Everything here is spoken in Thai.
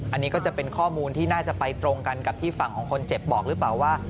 อันนี้ก็จะเป็นข้อมูลที่น่าจะไปตรงกันกับที่ฝั่งของคนเจ็บบอกหรือเปล่าว่า